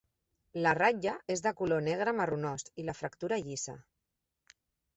La ratlla és de color negre marronós i la fractura llisa.